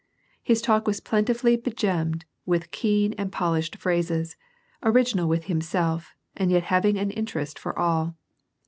His talk was plentifully begemmed with keen and polished phrases, original with himself, and yet having an interest for all.